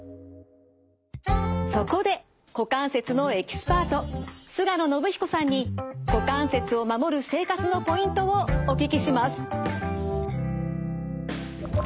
そこで股関節のエキスパート菅野伸彦さんに股関節を守る生活のポイントをお聞きします。